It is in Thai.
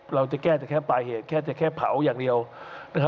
เราจะแก้แต่แค่ปลายเหตุแค่จะแค่เผาอย่างเดียวนะครับ